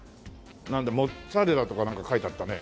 モッツァレラとかなんか書いてあったね。